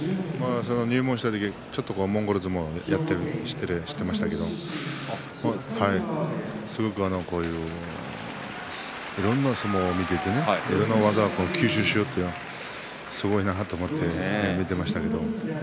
入門した時にちょっとモンゴル相撲をやっている知っていましたけれどもすごくいろんな相撲を見ていていろんな技を吸収しようとすごいなと思って見ていましたけど。